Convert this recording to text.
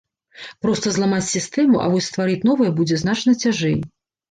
Проста зламаць сістэму, а вось стварыць новае будзе значна цяжэй.